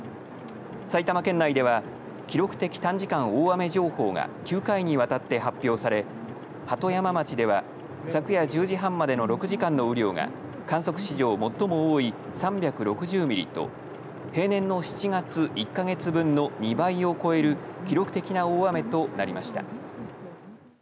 埼玉県内では記録的短時間大雨情報が９回にわたって発表され鳩山町では昨夜１０時半までの６時間の雨量が観測史上最も多い３６０ミリと平年の７月、１か月分の２倍を超える記録的な大雨となりました。